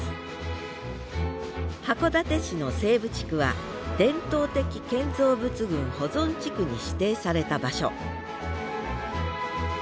函館市の西部地区は伝統的建造物群保存地区に指定された場所